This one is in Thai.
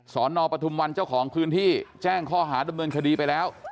นปทุมวันเจ้าของพื้นที่แจ้งข้อหาดำเนินคดีไปแล้ว